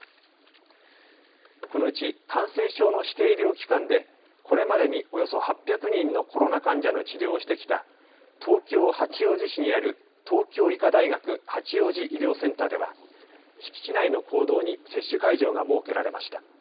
このうち感染症の指定医療機関でこれまでにおよそ８００人のコロナ患者の治療をしてきた東京八王子市にある東京医科大学八王子医療センターでは敷地内の講堂に接種会場が設けられました。